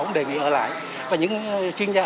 cũng đề nghị ở lại và những chuyên gia